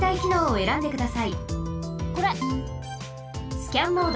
スキャンモード。